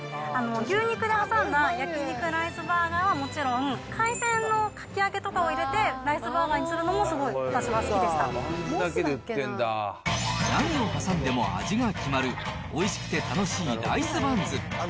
牛肉で挟んだ焼肉ライスバーガーはもちろん、海鮮のかき揚げとかを入れて、ライスバーガーにするのも、何を挟んでも味が決まる、おいしくて楽しいライスバンズ。